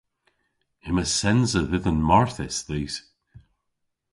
Yma sens a dhidhan marthys dhis.